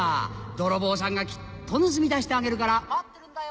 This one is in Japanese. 泥棒さんがきっと盗み出してあげるから待ってるんだよ。